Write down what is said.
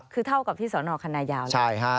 คือเท่ากับที่ศคันยาวนะครับใช่ค่ะ